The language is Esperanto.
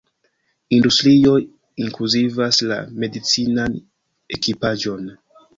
Industrioj inkluzivas la medicinan ekipaĵon.